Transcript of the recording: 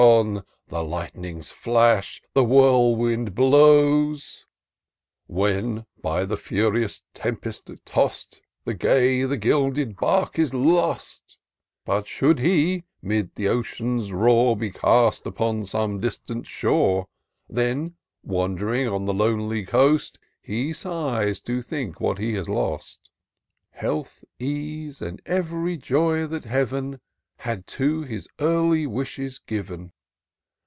The lightnings flash, the whirlwind blows ; When, by the furious tempest toss'd, The gay, the gilded bark is lost ! IN SEARCH OF THE PICTURESQUE. g45 But should he, 'mid the ocean's roar, Be cast upon some distant shore ; Then, wand'ring on the lonely coast, He sighs to think what he has lost ; Health, ease, and ev'ry joy that Heav'n Had to his early wishes given.